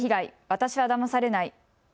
私はだまされない。